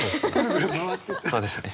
そうですね。